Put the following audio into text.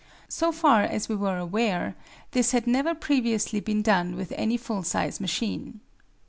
So far as we were aware, this had never previously been done with any full size machine.